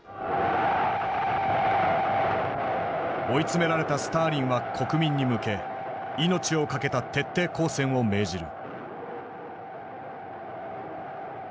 追い詰められたスターリンは国民に向け命を懸けた徹底抗戦を命じる。